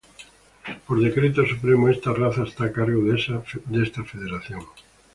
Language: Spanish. Por decreto supremo esta raza está a cargo de esta federación.